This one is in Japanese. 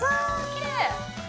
きれい！